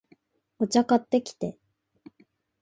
お茶、買ってきて